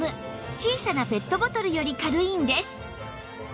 小さなペットボトルより軽いんです